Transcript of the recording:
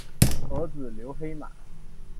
儿子刘黑马。